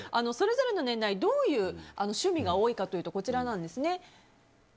それぞれの年代でどういう趣味が多いかというとこちらです。